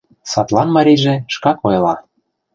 Садлан марийже шкак ойла: